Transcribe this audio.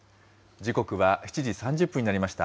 時刻は７時３０分になりました。